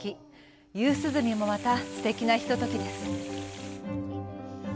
夕涼みもまたすてきなひとときです。